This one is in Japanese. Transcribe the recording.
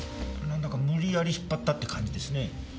なんだかムリヤリ引っ張ったって感じですね。